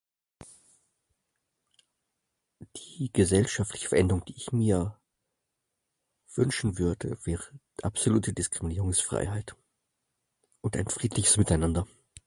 Die gesellschaftliche Veränderung, die ich mir wünschen würde, wäre absolute Diskriminierungsfreiheit und ein friedliches Miteinander.